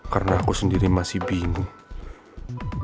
karena aku sendiri masih bingung